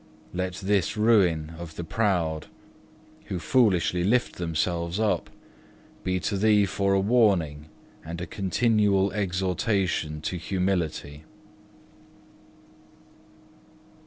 Let this ruin of the proud, who foolishly lift themselves up, be to thee for a warning and a continual exhortation to humility."